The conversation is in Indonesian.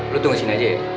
lu tunggu sini aja ya